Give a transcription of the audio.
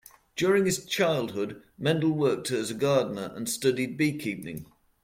During his childhood, Mendel worked as a gardener and studied beekeeping.